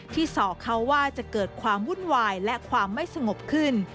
สอกเขาว่าจะเกิดความวุ่นวายและความไม่สงบขึ้น